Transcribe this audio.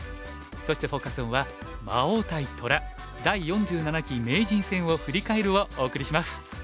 そしてフォーカス・オンは「『魔王』対『虎』第４７期名人戦を振り返る」をお送りします。